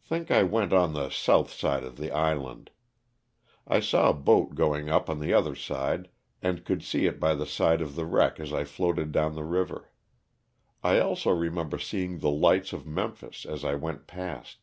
Think I went on tho south aide of the islarid. J Haw a hoat going up on tho other aide and could see it hy the Hide of the wreck an I floated down the river. 1 alno remomher Hooi ng tho lig^tn of Mr^mphin an I went paHt.